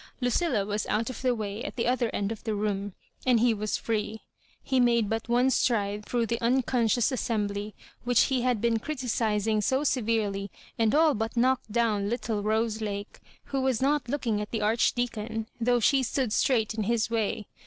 Lucilla was out of the way at the other end of the room, and he was free. He made but one stride through the unconscious as sembly which he had been criticising so severely, and all but knocked down little Rose Lake, who was not looking at the Archdeacon, though she stood straight in his way.